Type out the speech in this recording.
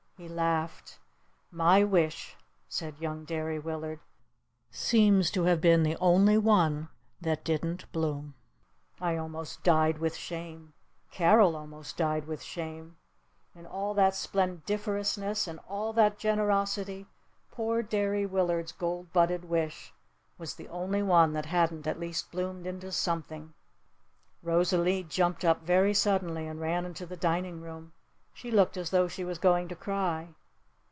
He laughed. "My wish," said young Derry Willard, "seems to have been the only one that didn't bloom." I almost died with shame. Carol almost died with shame. In all that splendiferousness, in all that generosity, poor Derry Willard's gold budded wish was the only one that hadn't at least bloomed into something! Rosalee jumped up very suddenly and ran into the dining room. She looked as tho she was going to cry.